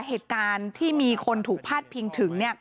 เหตุการณ์ที่มีคนถูกพาดพิงถึง